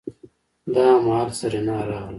دا مهال سېرېنا راغله.